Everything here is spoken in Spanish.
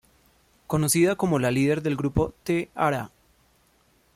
Conocida como la líder del grupo T-ara.